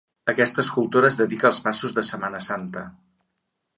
Aquesta escultora es dedica als passos de Setmana Santa.